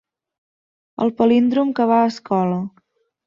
El palíndrom que va a escola.